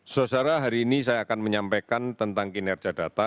saudara saudara hari ini saya akan menyampaikan tentang kinerja data